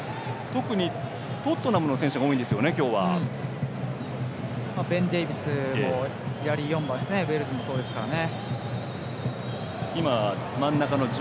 特に、トットナムの選手が多いんですよね、今日はベン・デービスウェールズもそうですからね。